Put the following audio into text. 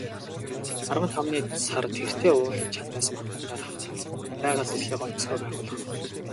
Арван тавны сар тэртээ уулын чанадаас мандан гарах нь байгаль дэлхий гоёмсгоо гайхуулах мэт.